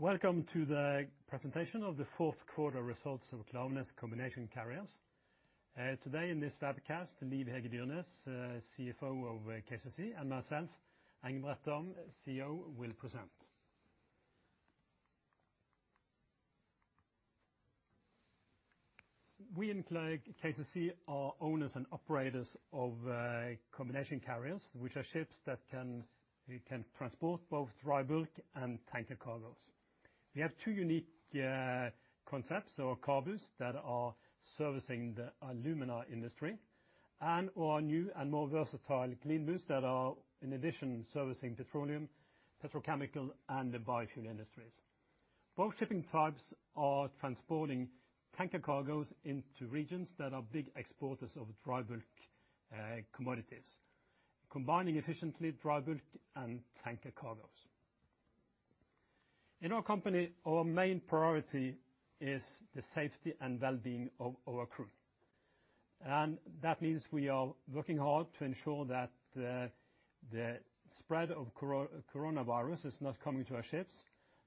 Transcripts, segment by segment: Welcome to the presentation of the fourth quarter results of Klaveness Combination Carriers. Today in this webcast, Liv Hege Dyrnes, CFO of Klaveness Combination Carriers, and myself, Engebret Dahm, CEO, will present. We in Klaveness Combination Carriers are owners and operators of combination carriers, which are ships that can transport both dry bulk and tanker cargos. We have two unique concepts, our CABUs that are servicing the alumina industry, and our new and more versatile CLEANBUs that are, in addition, servicing petroleum, petrochemical, and the biofuel industries. Both shipping types are transporting tanker cargos into regions that are big exporters of dry bulk commodities, combining efficiently dry bulk and tanker cargos. In our company, our main priority is the safety and well-being of our crew. That means we are working hard to ensure that the spread of coronavirus is not coming to our ships,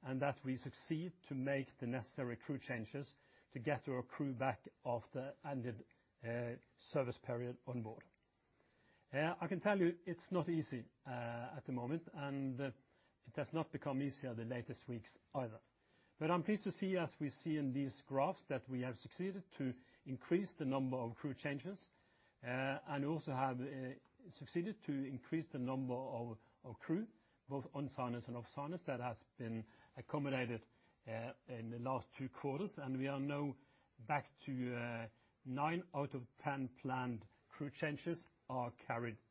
and that we succeed to make the necessary crew changes to get our crew back after ended service period on board. I can tell you it's not easy at the moment, and it has not become easier the latest weeks either. I'm pleased to see, as we see in these graphs, that we have succeeded to increase the number of crew changes, and also have succeeded to increase the number of crew, both on sign-ons and sign-offs, that has been accommodated in the last two quarters. We are now back to nine out of 10 planned crew changes are carried through.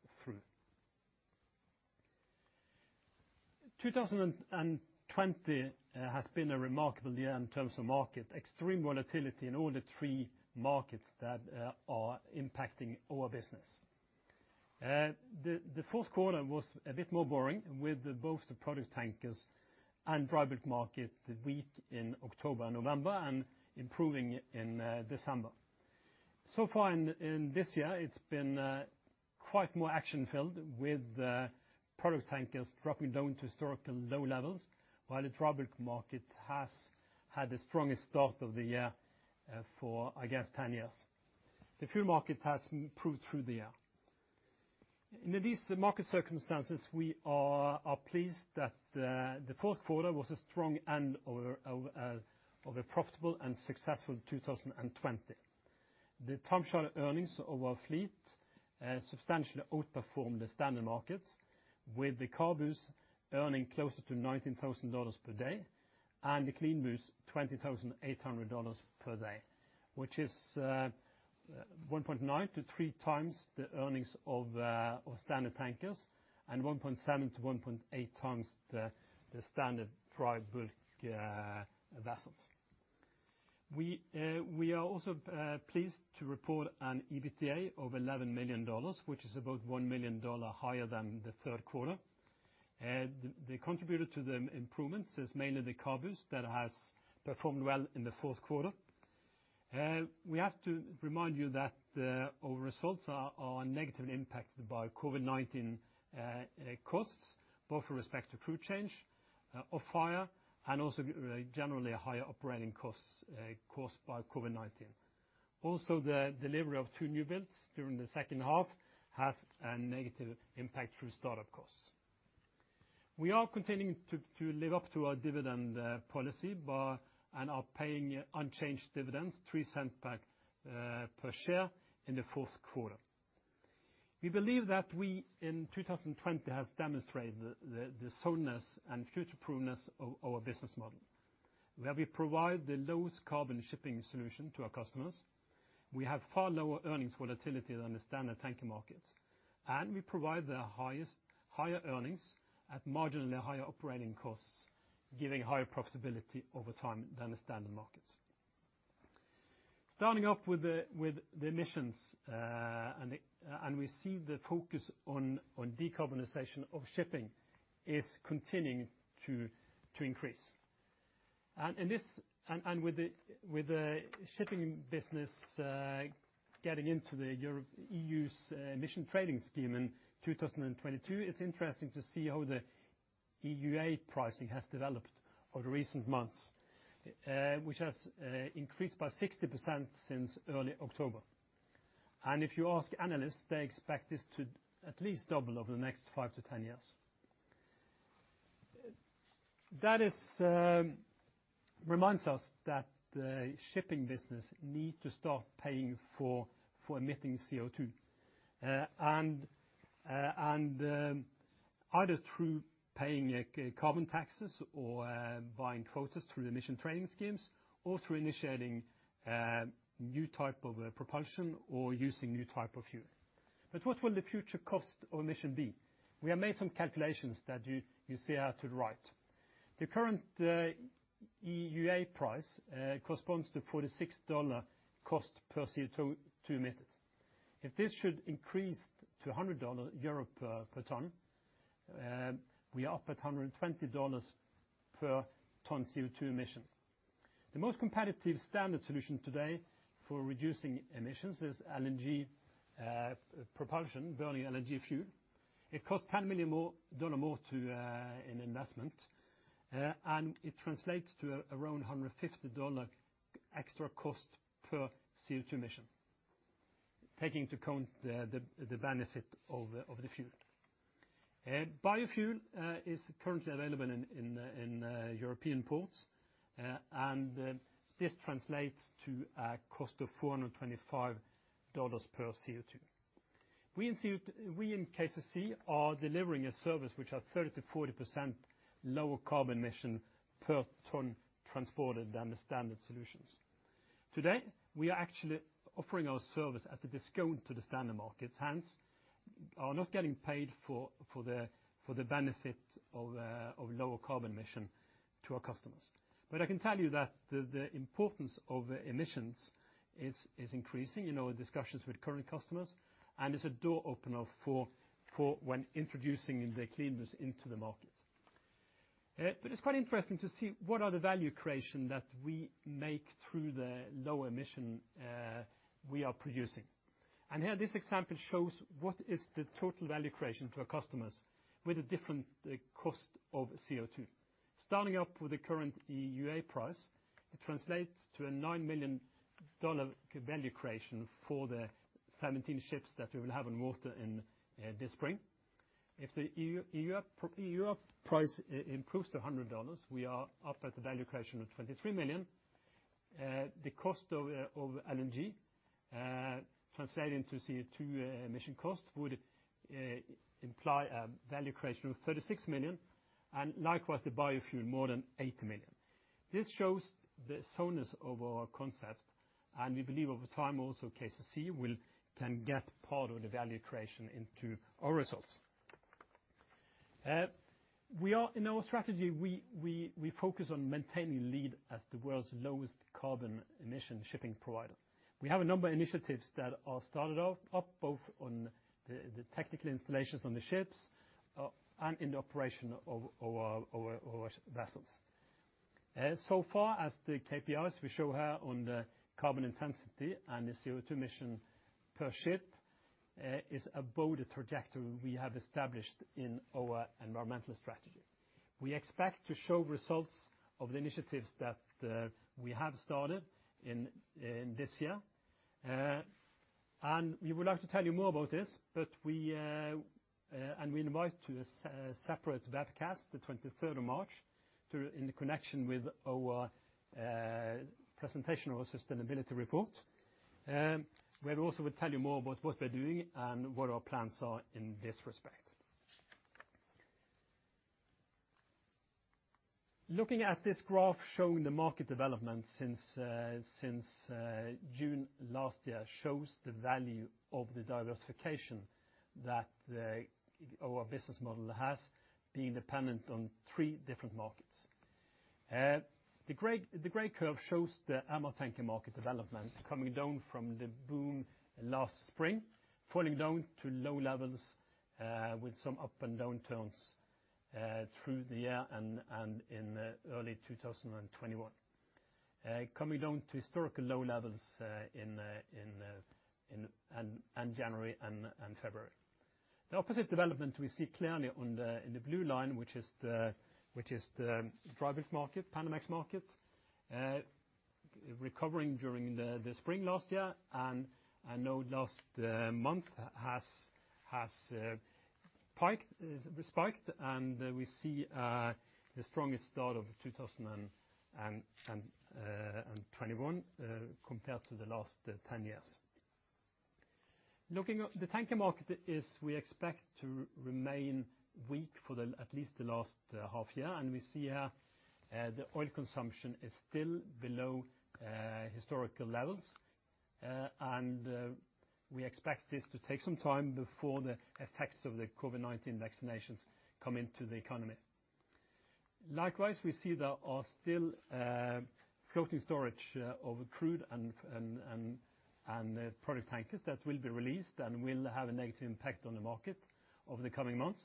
2020 has been a remarkable year in terms of market. Extreme volatility in all the three markets that are impacting our business. The fourth quarter was a bit more boring, with both the product tankers and dry bulk market weak in October and November, and improving in December. Far in this year, it's been quite more action-filled, with product tankers dropping down to historical low levels, while the dry bulk market has had the strongest start of the year for, I guess, 10 years. The fuel market has improved through the year. In these market circumstances, we are pleased that the fourth quarter was a strong end of a profitable and successful 2020. The time charter earnings of our fleet substantially outperformed the standard markets, with the CABUs earning closer to $19,000 per day, and the CLEANBUs $20,800 per day, which is 1.9-3 times the earnings of standard tankers and 1.7-1.8 times the standard dry bulk vessels. We are also pleased to report an EBITDA of $11 million, which is about $1 million higher than the third quarter. The contributor to the improvements is mainly the CABUs that has performed well in the fourth quarter. We have to remind you that our results are negatively impacted by COVID-19 costs, both with respect to crew change, off-hire, and also generally higher operating costs caused by COVID-19. The delivery of two new builds during the second half has a negative impact through start-up costs. We are continuing to live up to our dividend policy and are paying unchanged dividends, $0.03 back per share in the fourth quarter. We believe that we, in 2020, have demonstrated the soundness and future-proofness of our business model, where we provide the lowest carbon shipping solution to our customers. We have far lower earnings volatility than the standard tanker markets, we provide the higher earnings at marginally higher operating costs, giving higher profitability over time than the standard markets. Starting off with the emissions, we see the focus on decarbonization of shipping is continuing to increase. With the shipping business getting into the EU's emission trading scheme in 2022, it's interesting to see how the EUA pricing has developed over recent months, which has increased by 60% since early October. If you ask analysts, they expect this to at least double over the next 5-10 years. That reminds us that the shipping business needs to start paying for emitting CO2, and either through paying carbon taxes or buying quotas through emission trading schemes or through initiating new type of propulsion or using new type of fuel. What will the future cost of emission be? We have made some calculations that you see out to the right. The current EUA price corresponds to $46 cost per CO2 emitted. If this should increase to 100 euro per ton, we are up at $120 per ton of CO2 emission. The most competitive standard solution today for reducing emissions is LNG propulsion, burning LNG fuel. It costs $10 million more in investment, and it translates to around $150 extra cost per CO2 emission, taking into account the benefit of the fuel. Biofuel is currently available in European ports, and this translates to a cost of $425 per CO2. We, in Klaveness Combination Carriers, are delivering a service which are 30%-40% lower carbon emission per ton transported than the standard solutions. Today, we are actually offering our service at a discount to the standard markets, hence, are not getting paid for the benefit of lower carbon emission to our customers. I can tell you that the importance of emissions is increasing in our discussions with current customers, and is a door opener for when introducing the CLEANBUs into the market. It's quite interesting to see what are the value creation that we make through the low emission we are producing. Here, this example shows what is the total value creation to our customers with a different cost of CO2. Starting up with the current EUA price, it translates to a $9 million value creation for the 17 ships that we will have in water this spring. If the EUA price improves to $100, we are up at the value creation of $23 million. The cost of LNG translating to CO2 emission cost would imply a value creation of $36 million, and likewise, the biofuel more than $8 million. This shows the soundness of our concept, and we believe over time, also, Klaveness Combination Carriers can get part of the value creation into our results. In our strategy, we focus on maintaining lead as the world's lowest carbon emission shipping provider. We have a number of initiatives that are started up, both on the technical installations on the ships and in the operation of our vessels. So far as the KPIs we show here on the carbon intensity and the CO2 emission per ship is above the trajectory we have established in our environmental strategy. We expect to show results of the initiatives that we have started in this year. We would like to tell you more about this, and we invite to a separate webcast, the 23rd of March, in connection with our presentation of our sustainability report, where also we'll tell you more about what we're doing and what our plans are in this respect. Looking at this graph showing the market development since June last year shows the value of the diversification that our business model has, being dependent on three different markets. The gray curve shows the MR tanker market development coming down from the boom last spring, falling down to low levels, with some up and down turns through the year and in early 2021, coming down to historical low levels in January and February. The opposite development we see clearly in the blue line, which is the dry bulk market, Panamax market, recovering during the spring last year, and I know last month has spiked, and we see the strongest start of 2021 compared to the last 10 years. The tanker market is, we expect, to remain weak for at least the last half year, and we see here the oil consumption is still below historical levels, and we expect this to take some time before the effects of the COVID-19 vaccinations come into the economy. Likewise, we see there are still floating storage of crude and product tankers that will be released and will have a negative impact on the market over the coming months.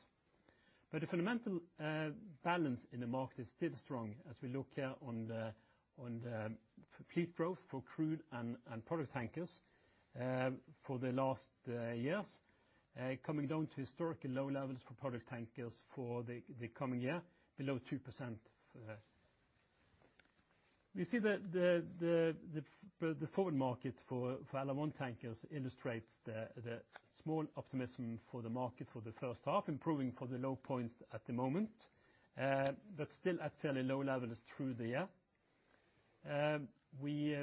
The fundamental balance in the market is still strong as we look here on the fleet growth for crude and product tankers for the last years, coming down to historically low levels for product tankers for the coming year, below 2%. We see the forward market for MR1 tankers illustrates the small optimism for the market for the first half, improving for the low point at the moment, but still at fairly low levels through the year. We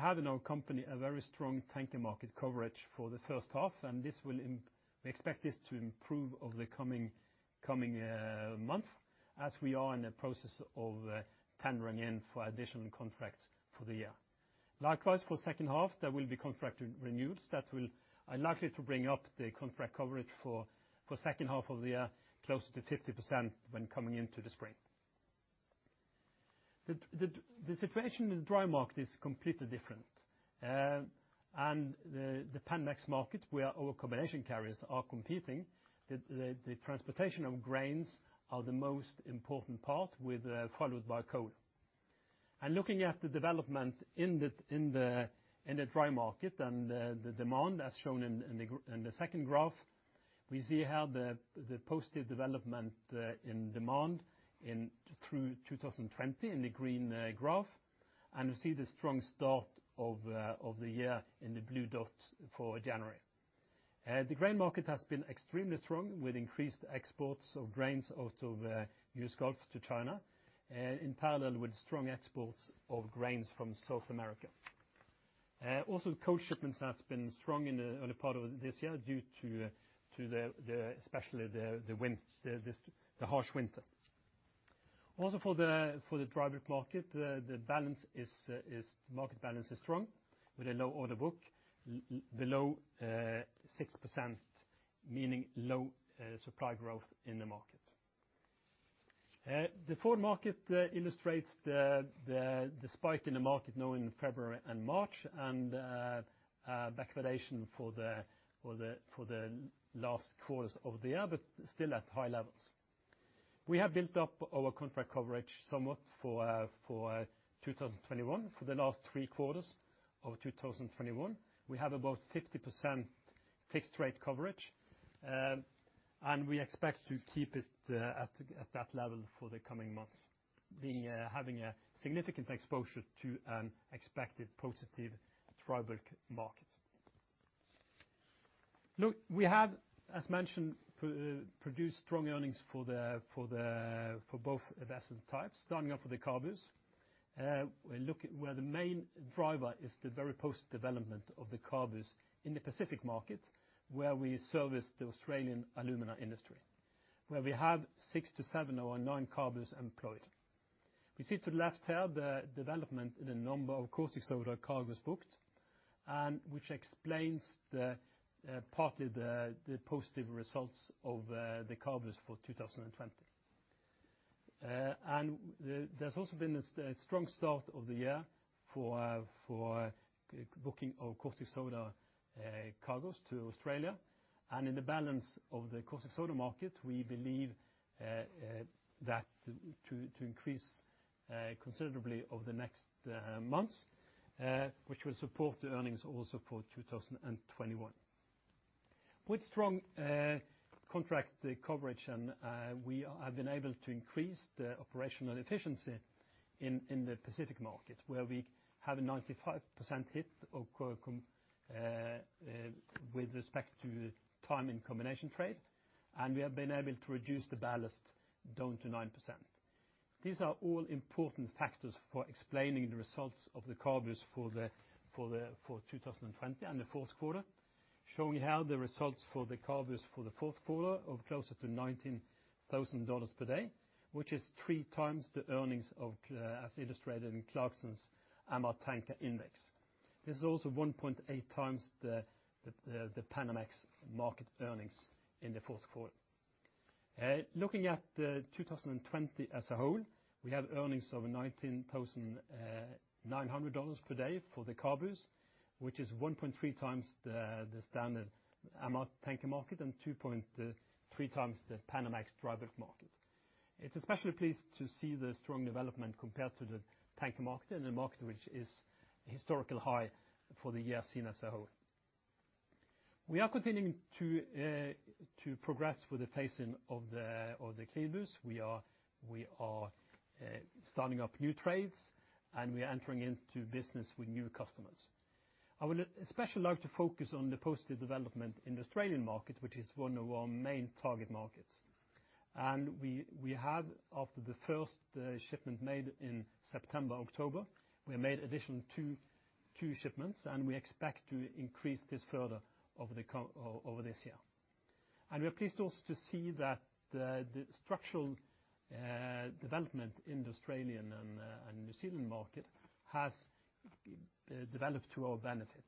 have in our company a very strong tanker market coverage for the first half, and we expect this to improve over the coming month as we are in the process of tendering in for additional contracts for the year. Likewise, for second half, there will be contract renewals that are likely to bring up the contract coverage for second half of the year closer to 50% when coming into the spring. The situation in the dry market is completely different. The Panamax market, where our combination carriers are competing, the transportation of grains are the most important part, followed by coal. Looking at the development in the dry market and the demand, as shown in the second graph, we see how the positive development in demand through 2020 in the green graph, and we see the strong start of the year in the blue dots for January. The grain market has been extremely strong, with increased exports of grains out of the US Gulf to China, and in parallel with strong exports of grains from South America. Coal shipments has been strong in the early part of this year due to especially the harsh winter. For the dry bulk market, the market balance is strong, with a low order book below 6%, meaning low supply growth in the market. The forward market illustrates the spike in the market now in February and March, and a normalization for the last quarters of the year, but still at high levels. We have built up our contract coverage somewhat for 2021. For the last three quarters of 2021, we have about 50% fixed-rate coverage, and we expect to keep it at that level for the coming months, having a significant exposure to an expected positive dry bulk market. Look, we have, as mentioned, produced strong earnings for both vessel types, starting off with the CABUs. Where the main driver is the very positive development of the CABUs in the Pacific market, where we service the Australian alumina industry, where we have six to seven of our 9 CABUs employed. We see to the left here the development in the number of caustic soda cargos booked, which explains partly the positive results of the CABUs for 2020. There's also been a strong start of the year for booking of caustic soda cargos to Australia. In the balance of the caustic soda market, we believe that to increase considerably over the next months, which will support the earnings also for 2021. With strong contract coverage, we have been able to increase the operational efficiency in the Pacific market, where we have a 95% hit with respect to time in combination trade, and we have been able to reduce the ballast down to 9%. These are all important factors for explaining the results of the CABUs for 2020 and the fourth quarter, showing how the results for the CABUs for the fourth quarter of closer to $19,000 per day, which is three times the earnings as illustrated in Clarksons MR Tanker Index. This is also 1.8 times the Panamax market earnings in the fourth quarter. Looking at 2020 as a whole, we have earnings of $19,900 per day for the CABUs, which is 1.3 times the standard MR tanker market and 2.3 times the Panamax dry bulk market. It's especially pleased to see the strong development compared to the tanker market and the market which is historical high for the year seen as a whole. We are continuing to progress with the phasing of the CLEANBUs. We are starting up new trades, and we are entering into business with new customers. I would especially like to focus on the positive development in the Australian market, which is one of our main target markets. We have, after the first shipment made in September, October, we made additional two shipments, we expect to increase this further over this year. We are pleased also to see that the structural development in the Australian and New Zealand market has developed to our benefit,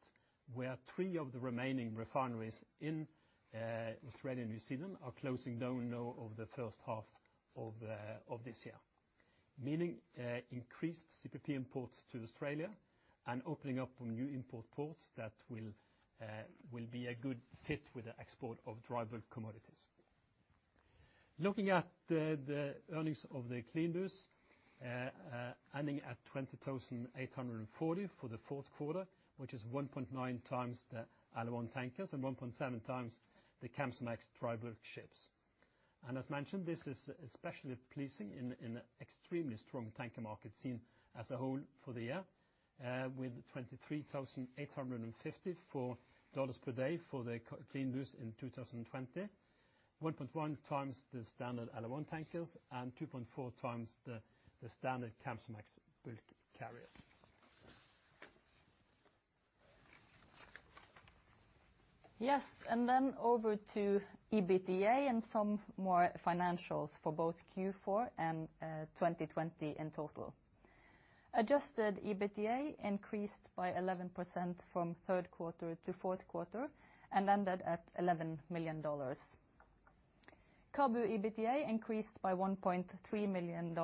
where three of the remaining refineries in Australia and New Zealand are closing down now over the first half of this year, meaning increased CPP imports to Australia and opening up new import ports that will be a good fit with the export of dry bulk commodities. Looking at the earnings of the CLEANBUs, ending at $20,840 for the fourth quarter, which is 1.9 times the MR1 tankers and 1.7 times the Kamsarmax dry bulk ships. As mentioned, this is especially pleasing in extremely strong tanker market seen as a whole for the year, with $23,854 per day for the CLEANBUs in 2020, 1.1 times the standard MR1 tankers and 2.4 times the standard Kamsarmax bulk carriers. Yes, then over to EBITDA and some more financials for both Q4 and 2020 in total. Adjusted EBITDA increased by 11% from third quarter to fourth quarter and ended at $11 million. CABU EBITDA increased by $1.3 million,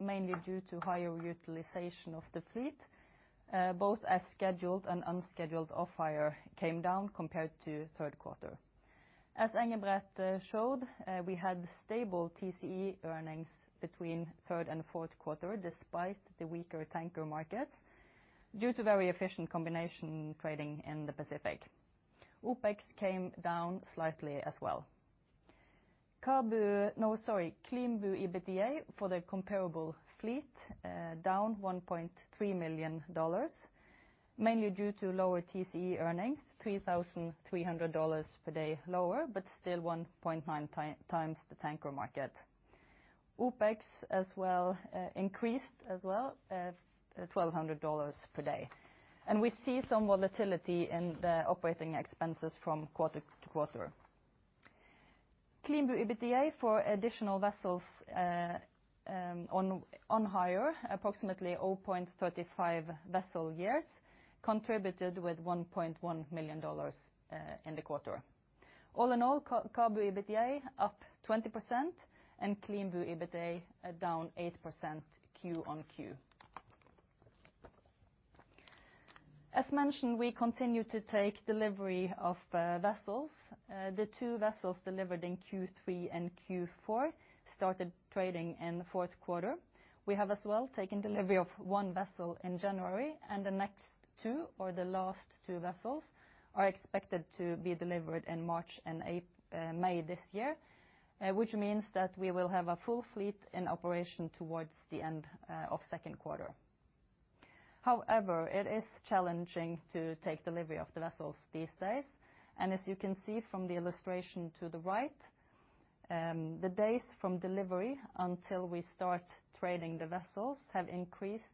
mainly due to higher utilization of the fleet, both as scheduled and unscheduled off-hire came down compared to third quarter. As Engebret showed, we had stable TCE earnings between third and fourth quarter, despite the weaker tanker markets, due to very efficient combination trading in the Pacific. OPEX came down slightly as well. CLEANBU EBITDA for the comparable fleet, down $1.3 million, mainly due to lower TCE earnings, $3,300 per day lower, but still 1.9 times the tanker market. OPEX increased as well, at $1,200 per day. We see some volatility in the operating expenses from quarter to quarter. CLEANBU EBITDA for additional vessels on hire, approximately 0.35 vessel years, contributed with $1.1 million in the quarter. All in all, CABU EBITDA up 20% and CLEANBU EBITDA down 8% Q-on-Q. As mentioned, we continue to take delivery of vessels. The two vessels delivered in Q3 and Q4 started trading in the fourth quarter. We have as well taken delivery of one vessel in January and the next two, or the last two vessels, are expected to be delivered in March and May this year, which means that we will have a full fleet in operation towards the end of second quarter. However, it is challenging to take delivery of the vessels these days, and as you can see from the illustration to the right, the days from delivery until we start trading the vessels have increased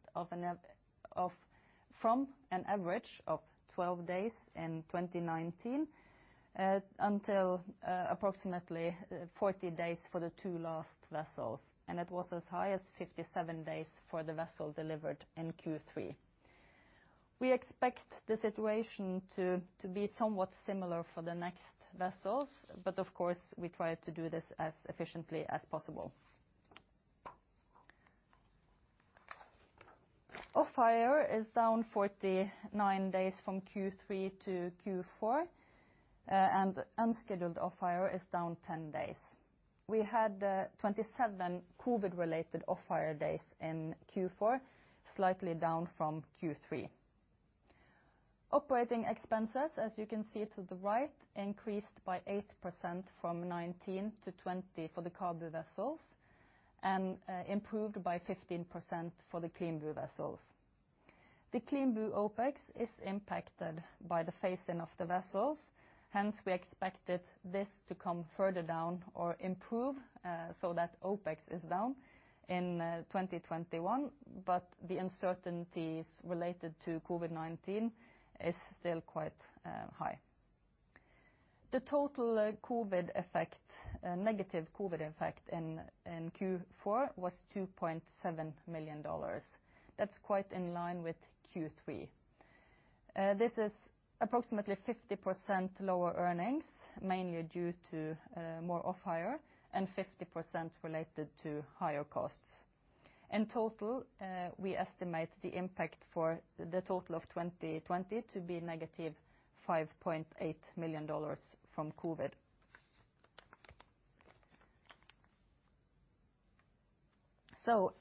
from an average of 12 days in 2019, until approximately 40 days for the two last vessels, and it was as high as 57 days for the vessel delivered in Q3. We expect the situation to be somewhat similar for the next vessels, but of course, we try to do this as efficiently as possible. Off-hire is down 49 days from Q3-Q4, and unscheduled off-hire is down 10 days. We had 27 COVID-related off-hire days in Q4, slightly down from Q3. Operating expenses, as you can see to the right, increased by 8% from 2019-2020 for the CABU vessels, and improved by 15% for the CLEANBU vessels. The CLEANBU OPEX is impacted by the phasing of the vessels. Hence, we expected this to come further down or improve, so that OPEX is down in 2021, but the uncertainties related to COVID-19 is still quite high. The total negative COVID effect in Q4 was $2.7 million. That's quite in line with Q3. This is approximately 50% lower earnings, mainly due to more off-hire and 50% related to higher costs. In total, we estimate the impact for the total of 2020 to be negative $5.8 million from COVID.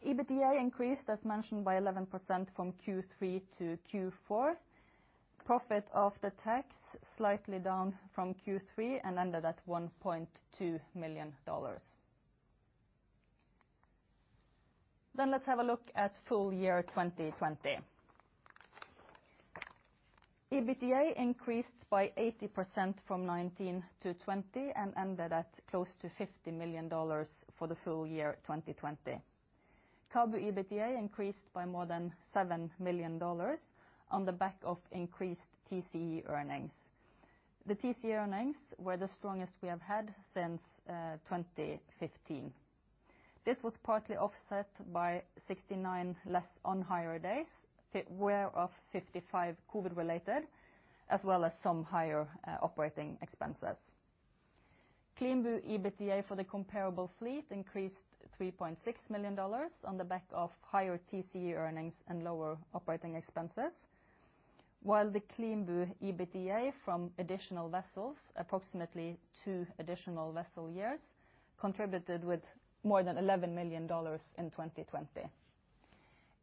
EBITDA increased, as mentioned, by 11% from Q3 to Q4. Profit after tax, slightly down from Q3 and ended at $1.2 million. Let's have a look at full year 2020. EBITDA increased by 80% from 2019-2020 and ended at close to $50 million for the full year 2020. CABU EBITDA increased by more than $7 million on the back of increased TCE earnings. The TCE earnings were the strongest we have had since 2015. This was partly offset by 69 less on-hire days, whereof 55 COVID-related, as well as some higher operating expenses. CLEANBU EBITDA for the comparable fleet increased $3.6 million on the back of higher TCE earnings and lower operating expenses. The CLEANBU EBITDA from additional vessels, approximately two additional vessel years, contributed with more than $11 million in 2020.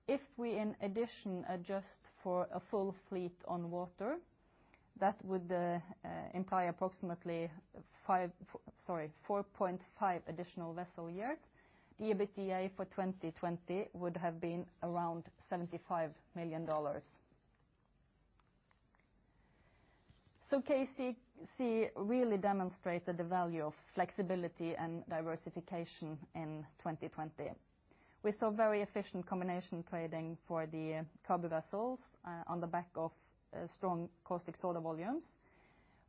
If we, in addition, adjust for a full fleet on water, that would imply approximately 4.5 additional vessel years. The EBITDA for 2020 would have been around $75 million. KCC really demonstrated the value of flexibility and diversification in 2020. We saw very efficient combination trading for the CABU vessels on the back of strong caustic soda volumes.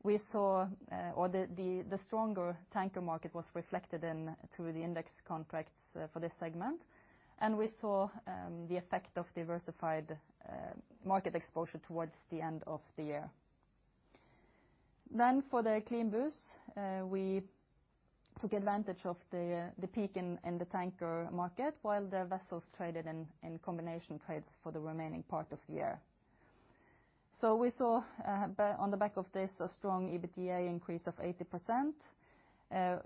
The stronger tanker market was reflected in through the index contracts for this segment. We saw the effect of diversified market exposure towards the end of the year. For the CLEANBUs, we took advantage of the peak in the tanker market while the vessels traded in combination trades for the remaining part of the year. We saw, on the back of this, a strong EBITDA increase of 80%.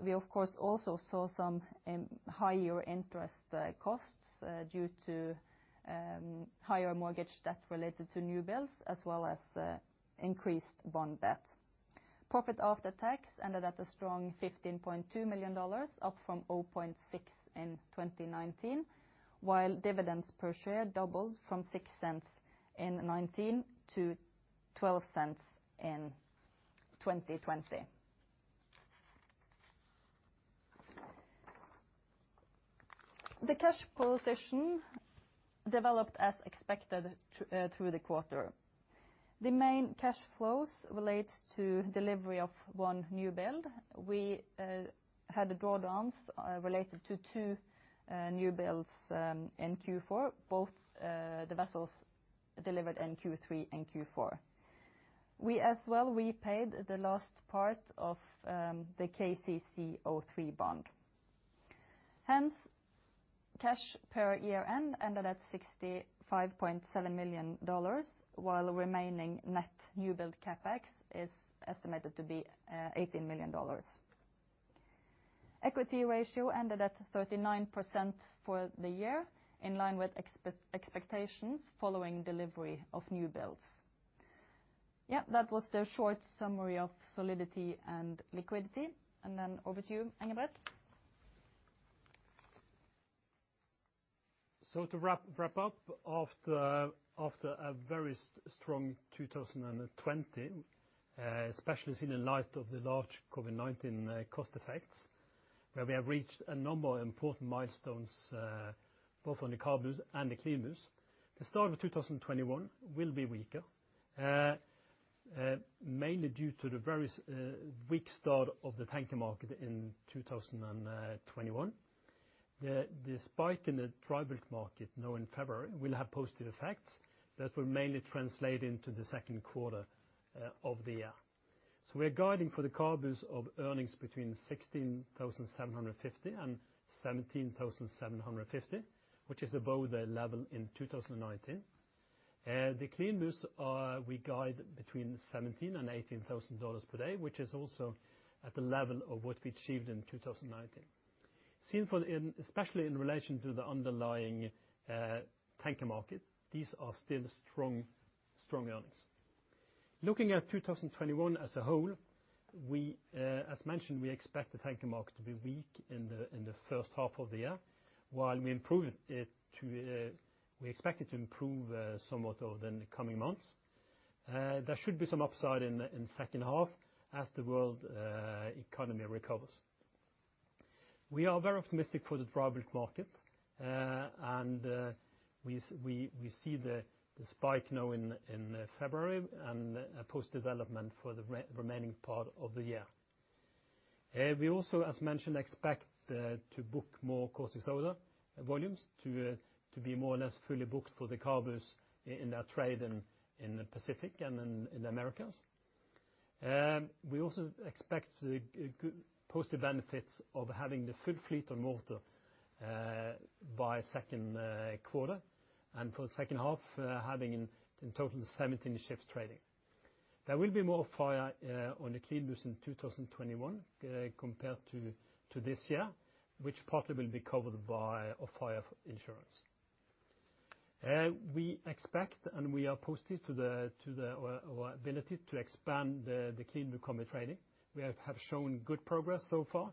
We, of course, also saw some higher interest costs due to higher mortgage debt related to new builds, as well as increased bond debt. Profit after tax ended at a strong $15.2 million, up from $0.6 in 2019, while dividends per share doubled from $0.06 in 2019 to $0.12 in 2020. The cash flow position developed as expected through the quarter. The main cash flows relates to delivery of one new build. We had drawdowns related to two new builds in Q4, both the vessels delivered in Q3 and Q4. We as well repaid the last part of the KCC03 bond. Cash per year-end ended at $65.7 million, while the remaining net new build CapEx is estimated to be $18 million. Equity ratio ended at 39% for the year, in line with expectations following delivery of new builds. Yes, that was the short summary of solidity and liquidity. Over to you, Engebret. To wrap up, after a very strong 2020, especially seen in light of the large COVID-19 cost effects, where we have reached a number of important milestones both on the CABUs and the CLEANBUs, the start of 2021 will be weaker, mainly due to the very weak start of the tanker market in 2021. The spike in the panamax market now in February will have positive effects that will mainly translate into the second quarter of the year. We are guiding for the CABUs of earnings between $16,750 and $17,750, which is above the level in 2019. The CLEANBUs we guide between $17,000 and $18,000 per day, which is also at the level of what we achieved in 2019. Especially in relation to the underlying tanker market, these are still strong earnings. Looking at 2021 as a whole, as mentioned, we expect the tanker market to be weak in the first half of the year. While we expect it to improve somewhat over the coming months. There should be some upside in the second half as the world economy recovers. We are very optimistic for the private market, and we see the spike now in February and a post-development for the remaining part of the year. We also, as mentioned, expect to book more caustic soda volumes to be more or less fully booked for the CABUs in their trade in the Pacific and in the Americas. We also expect positive benefits of having the full fleet on water by second quarter, and for the second half, having in total 17 ships trading. There will be more freight on the CLEANBUs in 2021 compared to this year, which partly will be covered by a freight insurance. We expect, we are positive to our ability to expand the CLEANBU commodity trading. We have shown good progress so far,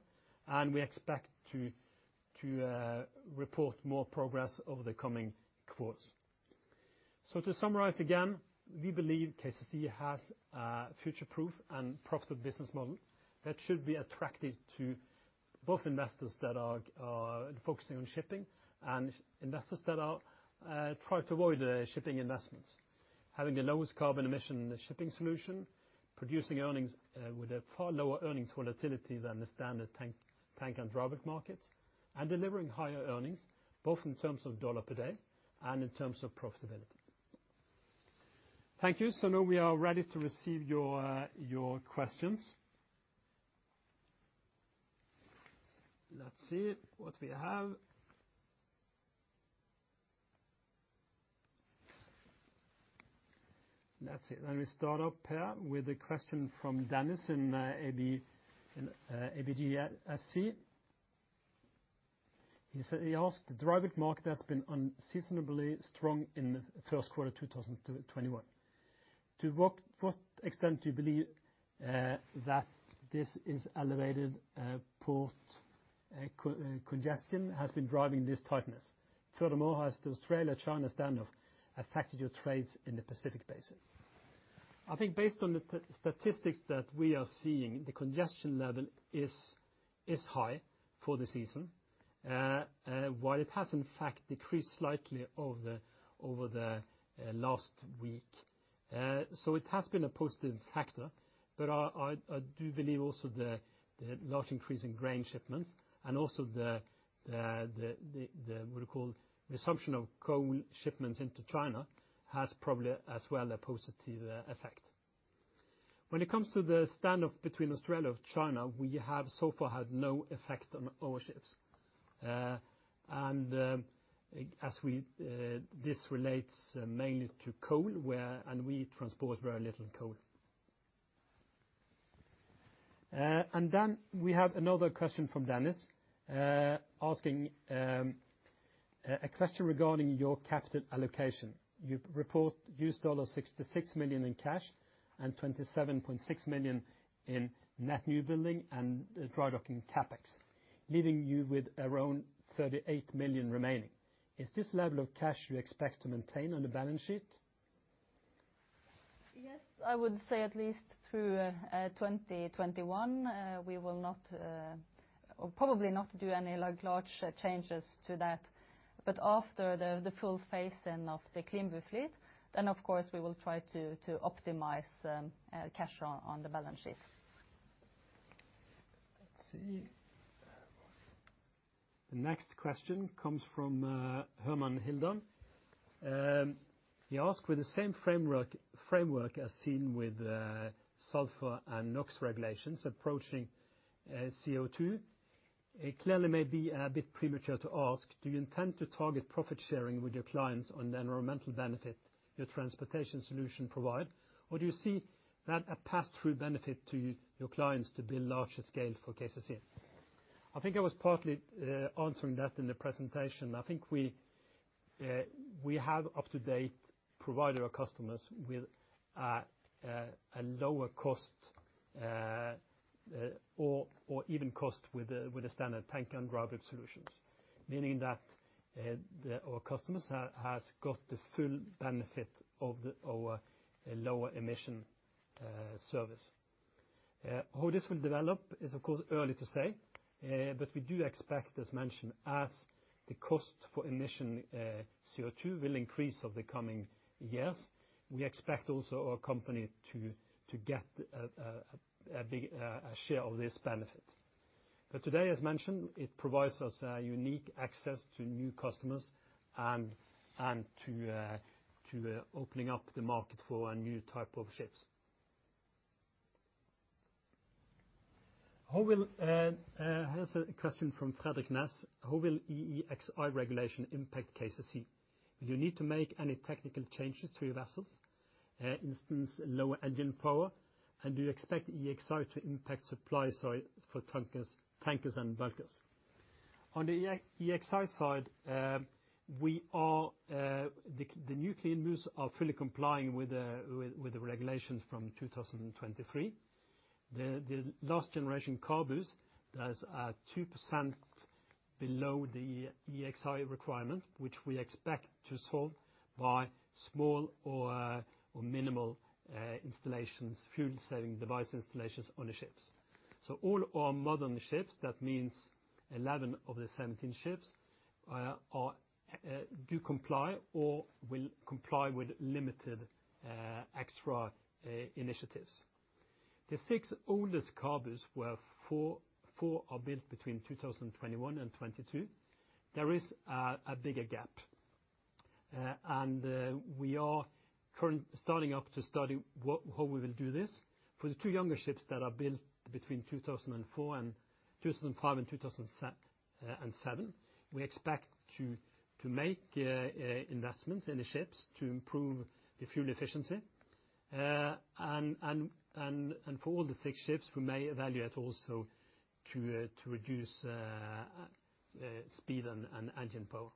we expect to report more progress over the coming quarters. To summarize again, we believe Klaveness Combination Carriers has a future-proof and profitable business model that should be attractive to both investors that are focusing on shipping and investors that are trying to avoid shipping investments. Having the lowest carbon emission shipping solution, producing earnings with a far lower earnings volatility than the standard tank and dry markets, and delivering higher earnings both in terms of dollar per day and in terms of profitability. Thank you. Now we are ready to receive your questions. Let's see what we have. That's it. Let me start up here with a question from Dennis in ABGSC. He asked, "The derivative market has been unseasonably strong in the first quarter 2021. To what extent do you believe that this is elevated port congestion has been driving this tightness? Furthermore, has the Australia-China standoff affected your trades in the Pacific basin?" I think based on the statistics that we are seeing, the congestion level is high for the season, while it has in fact decreased slightly over the last week. It has been a positive factor. I do believe also the large increase in grain shipments and also what you call the resumption of coal shipments into China has probably as well a positive effect. When it comes to the standoff between Australia and China, we have so far had no effect on our ships. As this relates mainly to coal and we transport very little coal. Then we have another question from Dennis, asking a question regarding your capital allocation. You report $66 million in cash and $27.6 million in net new building and drydocking CapEx, leaving you with around $38 million remaining. Is this level of cash you expect to maintain on the balance sheet? Yes, I would say at least through 2021, we will probably not do any large changes to that. After the full phase-in of the CLEANBU fleet, then, of course, we will try to optimize cash on the balance sheet. Let's see. The next question comes from Herman Hildan. He asked, "With the same framework as seen with sulfur and NOx regulations approaching CO2, it clearly may be a bit premature to ask, do you intend to target profit sharing with your clients on the environmental benefit your transportation solution provide, or do you see that a pass-through benefit to your clients to build larger scale for Klaveness Combination Carriers?" I think I was partly answering that in the presentation. I think we have up to date provided our customers with a lower cost or even cost with the standard tanker and dry bulk solutions, meaning that our customers has got the full benefit of our lower emission service. How this will develop is, of course, early to say, but we do expect, as mentioned, as the cost for emission CO2 will increase over the coming years. We expect also our company to get a share of this benefit. Today, as mentioned, it provides us a unique access to new customers and to opening up the market for a new type of ships. Here is a question from Fredrik Nas, "How will EEXI regulation impact Klaveness Combination Carriers? Will you need to make any technical changes to your vessels, instance, lower engine power? Do you expect EEXI to impact supply for tankers and bulkers?" On the EEXI side, the new CLEANBUs are fully complying with the regulations from 2023. The last generation CABUs, that is at 2% below the EEXI requirement, which we expect to solve by small or minimal installations, fuel-saving device installations on the ships. All our modern ships, that means 11 of the 17 ships, do comply or will comply with limited extra initiatives. The six oldest CABUs were four are built between 2021 and 2022. There is a bigger gap. We are starting up to study how we will do this. For the two younger ships that are built between 2005 and 2007, we expect to make investments in the ships to improve the fuel efficiency. For all the six ships, we may evaluate also to reduce speed and engine power.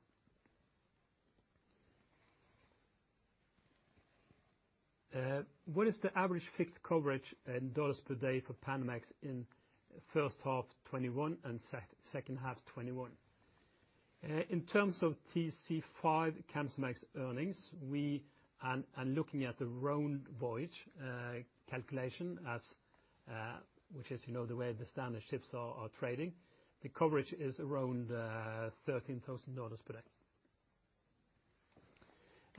What is the average fixed coverage in dollars per day for Panamax in first half 2021 and second half 2021? In terms of TC5 Kamsarmax earnings, we are looking at the round voyage calculation, which is the way the standard ships are trading. The coverage is around $13,000 per day.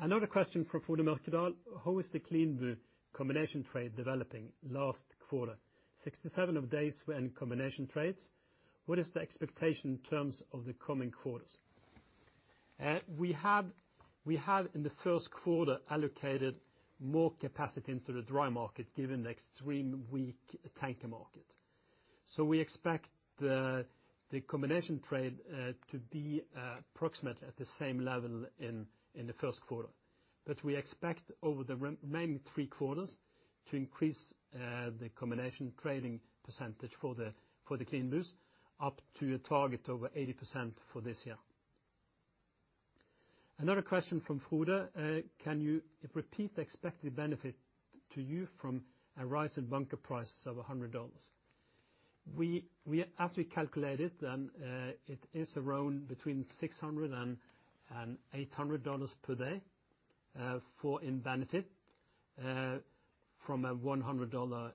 Another question from Frode Mørkedal. How is the CLEANBU combination trade developing last quarter? 67 of days were in combination trades. What is the expectation in terms of the coming quarters? We have in the first quarter allocated more capacity into the dry market given the extreme weak tanker market. We expect the combination trade to be approximately at the same level in the first quarter. We expect over the remaining three quarters to increase the combination trading percentage for the CLEANBUs up to a target over 80% for this year. Another question from Frode. Can you repeat the expected benefit to you from a rise in bunker prices of $100? As we calculated, it is around between $600 and $800 per day in benefit from a $100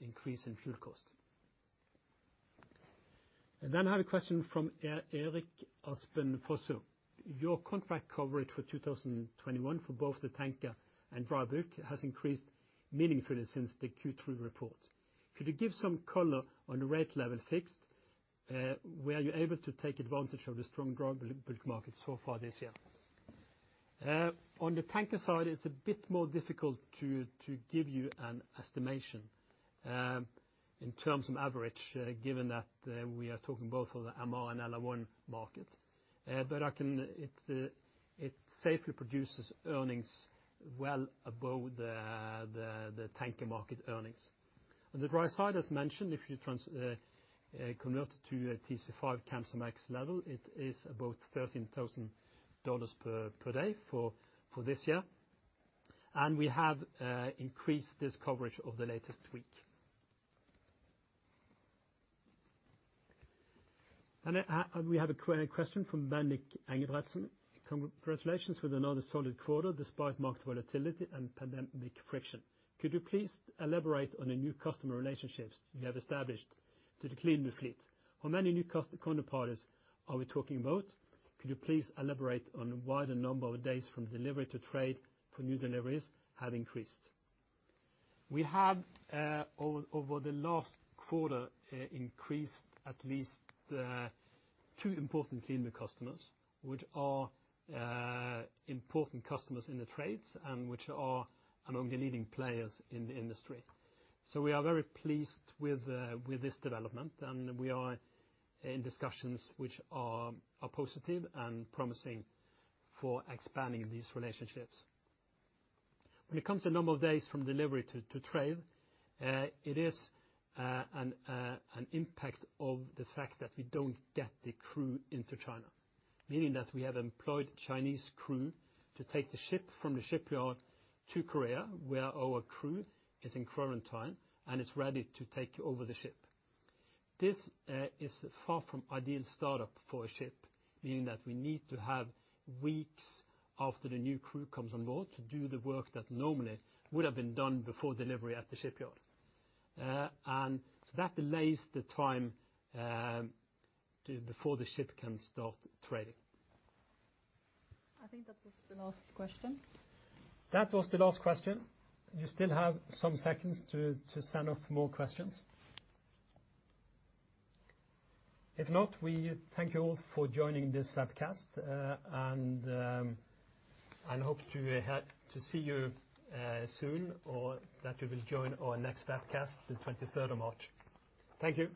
increase in fuel cost. I have a question from Erik Aspen Fosså. Your contract coverage for 2021 for both the tanker and dry bulk has increased meaningfully since the Q3 report. Could you give some color on the rate level fixed? Were you able to take advantage of the strong dry bulk market so far this year? On the tanker side, it's a bit more difficult to give you an estimation in terms of average, given that we are talking both for the MR and LR1 market, but it safely produces earnings well above the tanker market earnings. On the dry side, as mentioned, if you convert it to a TC5 Panamax level, it is about $13,000 per day for this year. We have increased this coverage over the latest week. We have a question from Bendik Engebretsen. Congratulations with another solid quarter despite market volatility and pandemic friction. Could you please elaborate on the new customer relationships you have established to the CLEANBU fleet? How many new counterparties are we talking about? Could you please elaborate on why the number of days from delivery to trade for new deliveries have increased? We have, over the last quarter, increased at least two important CLEANBU customers, which are important customers in the trades and which are among the leading players in the industry. We are very pleased with this development, and we are in discussions which are positive and promising for expanding these relationships. When it comes to number of days from delivery to trade, it is an impact of the fact that we don't get the crew into China, meaning that we have employed Chinese crew to take the ship from the shipyard to Korea, where our crew is in quarantine and is ready to take over the ship. This is far from ideal startup for a ship, meaning that we need to have weeks after the new crew comes on board to do the work that normally would have been done before delivery at the shipyard. That delays the time before the ship can start trading. I think that was the last question. That was the last question. You still have some seconds to send off more questions. If not, we thank you all for joining this webcast and hope to see you soon, or that you will join our next webcast the 23rd of March. Thank you.